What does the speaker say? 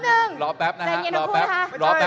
พักแป๊บนึงตรงนี้ตรงนั้นจะกลับบ้านแล้ว